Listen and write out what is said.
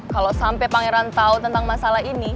kalo sampe pangeran tau tentang masalah ini